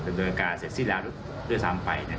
ดำเนินการเสร็จสิ้นแล้วด้วยซ้ำไป